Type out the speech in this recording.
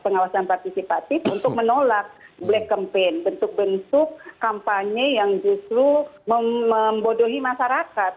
pengawasan partisipatif untuk menolak black campaign bentuk bentuk kampanye yang justru membodohi masyarakat